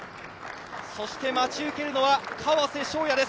そして待ち受けるのは、川瀬翔矢です。